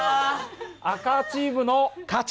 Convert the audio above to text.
赤チームの勝ち！